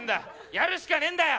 やるしかねえんだよ！